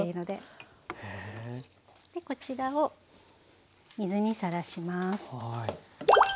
でこちらを水にさらします。